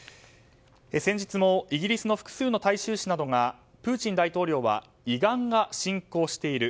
先日もイギリスの複数の大衆紙などがプーチン大統領は胃がんが進行している。